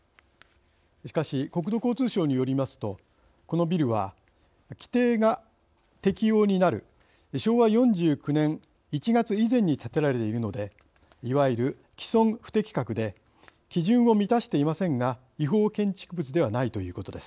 しかし国土交通省によりますとこのビルは規定が適用になる昭和４９年１月以前に建てられているのでいわゆる既存不適格で基準を満たしていませんが違法建築物ではないということです。